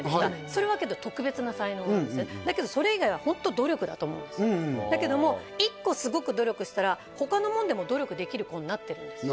それはけど特別な才能なんですよだけどそれ以外はホント努力だと思うんですよねだけども１個すごく努力したら他のもんでも努力できる子になってるんですよ